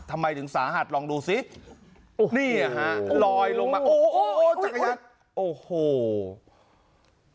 ทำไมถึงสาหัสลองดูซินี่ฮะลอยลงมาโอ้โหจักรยานโอ้โห